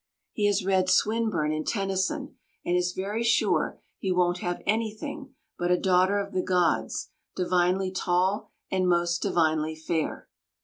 He has read Swinburne and Tennyson and is very sure he won't have anything but "a daughter of the gods, divinely tall, and most divinely fair."